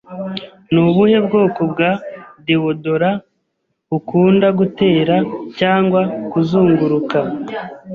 Ni ubuhe bwoko bwa deodorant ukunda, gutera cyangwa kuzunguruka?